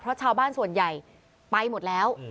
เพราะชาวบ้านส่วนใหญ่ไปหมดแล้ว